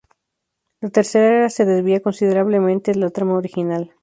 La tercera era se desvía considerablemente de la trama original.